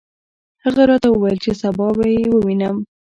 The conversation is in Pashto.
هغه راته وویل چې سبا یې ووینم.